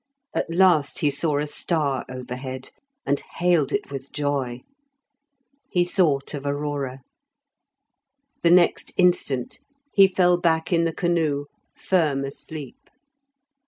At last he saw a star overhead, and hailed it with joy. He thought of Aurora; the next instant he fell back in the canoe firm asleep.